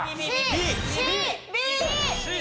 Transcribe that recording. ＢＢＢＢ！